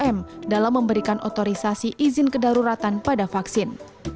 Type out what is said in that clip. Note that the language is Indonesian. terkait terutama bpom dalam memberikan otorisasi izin kedaruratan pada vaksin